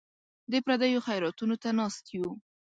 د پردیو خیراتونو ته ناست یو.